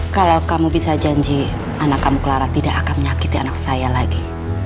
kalau kamu bisa janji anak kamu clara tidak akan menyakiti anak saya lagi